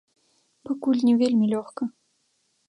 Пакуль не вельмі лёгка.